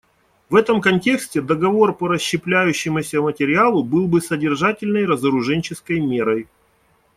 В этом контексте договор по расщепляющемуся материалу был бы содержательной разоруженческой мерой.